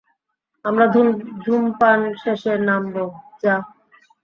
আমরা ধূমপান শেষে নামব, যা।